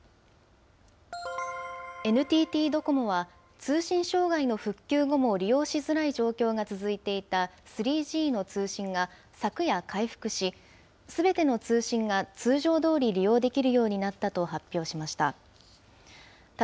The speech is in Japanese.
ＮＴＴドコモは、通信障害の復旧後も利用しづらい状況が続いていた３Ｇの通信が、昨夜回復し、すべての通信が通常どおり利用できるようになったと発表しました。